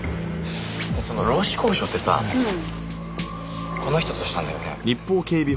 その労使交渉ってさこの人としたんだよね？